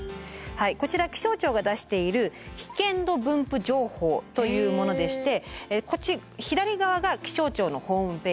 こちら気象庁が出している「危険度分布情報」というものでしてこっち左側が気象庁のホームページの画面です。